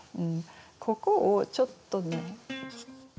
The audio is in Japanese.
ここをちょっとね。